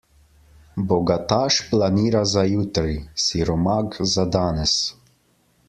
Bogataš planira za jutri, siromak za danes.